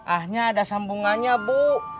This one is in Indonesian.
ahnya ada sambungannya bu